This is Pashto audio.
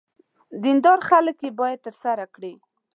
دیندار خلک یې باید ترسره کړي.